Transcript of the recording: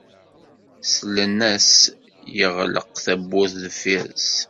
Slan-as yeɣleq tawwurt deffir-s.